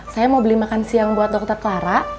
saya mau beli makan siang buat dokter clara